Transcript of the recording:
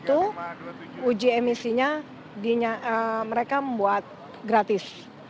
itu uji emisinya mereka membuat gratis